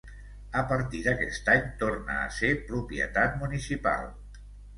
A partir d'aquest any torna a ser propietat municipal.